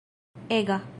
ega